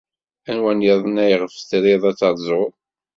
Anwa niḍen ayɣef trid ad terzud?